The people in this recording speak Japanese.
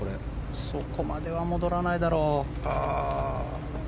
そこまでは戻らないだろう。